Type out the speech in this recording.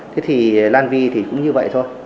thế thì lan vy thì cũng như vậy thôi